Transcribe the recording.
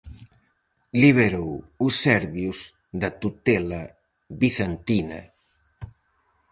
Liberou os serbios da tutela bizantina.